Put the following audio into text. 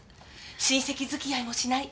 親戚付き合いもしない。